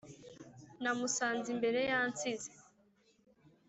Namusanze imbere yansize